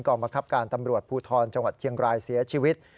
บังคับการตำรวจภูทรจังหวัดเชียงรายเสียชีวิต